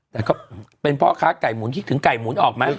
แต่ก็เป็นพ่อค้าไก่หมุนคิดถึงไก่หมุนออกไหม